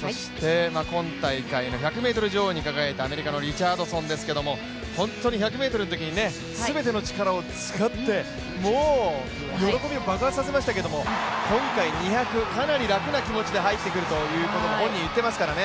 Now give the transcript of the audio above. そして今大会の１００ｍ女王に輝いたアメリカのリチャードソンですけど本当に１００ｍのときに全ての力を使って、もう喜びを爆発させましたけれども、今回２００、かなり楽な気持ちで入ってくるということを本人言ってますからね。